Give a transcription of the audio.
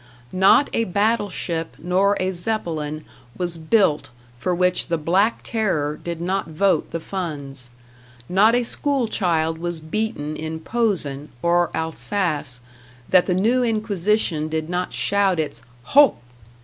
Not a battle ship nor a Zeppelin was built for which the Black Terror did not vote the funds; not a school child was beaten in Posen or Alsace that the New Inquisition did not shout its "Hoch!"